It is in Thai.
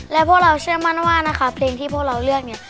และพวกเราเชื่อมั่นว่านะคะเพลงที่พวกเราเลือกเนี่ย